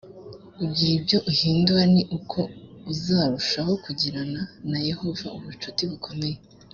ugira ibyo uhindura ni ko uzarushaho kugirana na yehova ubucuti bukomeye